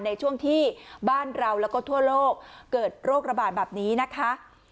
ในช่วงที่บ้านเราแล้วก็ทั่วโลกเกิดโรคระบาดแบบนี้นะคะ